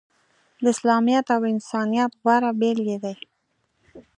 د اسلامیت او انسانیت غوره بیلګې دي.